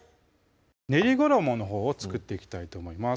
練り衣のほうを作っていきたいと思います